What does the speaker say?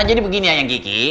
jadi begini ayang kiki